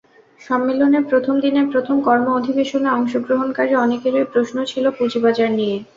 সম্মেলনের প্রথম দিনের প্রথম কর্ম অধিবেশনে অংশগ্রহণকারী অনেকেরই প্রশ্ন ছিল পুঁজিবাজার নিয়ে।